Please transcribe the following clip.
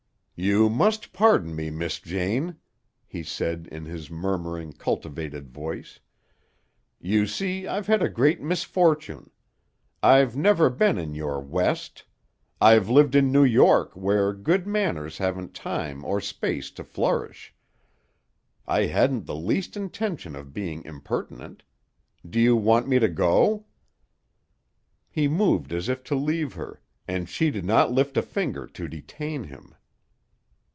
"You must pardon me, Miss Jane," he said in his murmuring, cultivated voice. "You see I've had a great misfortune. I've never been in your West. I've lived in New York where good manners haven't time or space to flourish. I hadn't the least intention of being impertinent. Do you want me to go?" He moved as if to leave her, and she did not lift a finger to detain him.